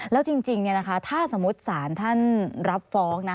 แล้วจริงถ้าสมมุติศาลท่านรับฟ้องนะ